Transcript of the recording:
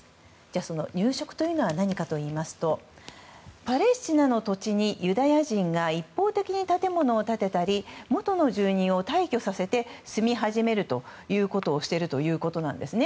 その入植というのは何かといいますとパレスチナの土地にユダヤ人が一方的に建物を建てたり元の住人を退去させて住み始めるということをしてるということなんですね。